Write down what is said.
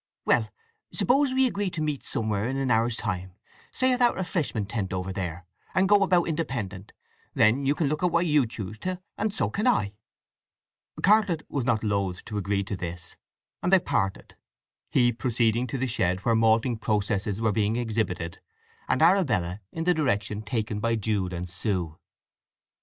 "Well—suppose we agree to meet somewhere in an hour's time—say at that refreshment tent over there, and go about independent? Then you can look at what you choose to, and so can I." Cartlett was not loath to agree to this, and they parted—he proceeding to the shed where malting processes were being exhibited, and Arabella in the direction taken by Jude and Sue.